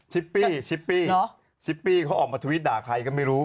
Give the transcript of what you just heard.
ปี้ชิปปี้ชิปปี้เขาออกมาทวิตด่าใครก็ไม่รู้